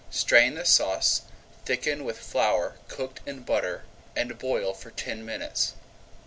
Strain the sauce, thicken with flour cooked in butter, and boil for ten minutes.